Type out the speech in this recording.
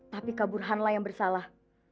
tapi keburhanlah yang bersalah